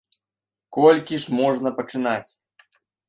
Колькі ж можна пачынаць?!